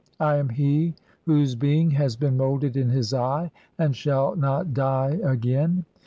I am he whose being has been moulded in his eve, "and I shall not die again.